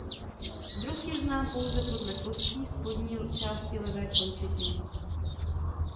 Druh je znám pouze podle kostí spodní části levé končetiny.